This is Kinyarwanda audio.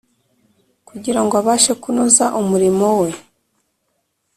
kugira ngo abashe kunoza umurimo we.